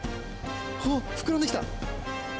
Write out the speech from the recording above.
あっ、膨らんできた。